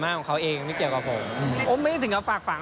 แน่นานโคตรครับไม่แน่ครับ